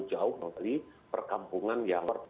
jauh dari perkampungan yang